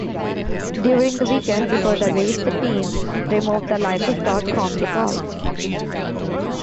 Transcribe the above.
During the weekend before the race the team removed the Lycos dot com decals.